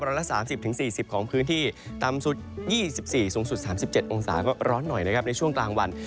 ร้อนละ๓๐๔๐ของพื้นที่ตามสุด๒๔องศาเซียตสูงสุด๓๗องศาเซียตก็ร้อนหน่อยนะครับในช่วงกลางวัน